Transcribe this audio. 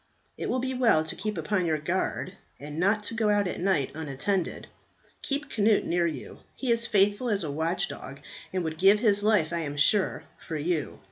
It will be well to keep upon your guard, and not go out at night unattended. Keep Cnut near you; he is faithful as a watch dog, and would give his life, I am sure, for you.